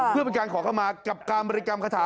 เพื่อเป็นการขอเข้ามากับการบริกรรมคาถา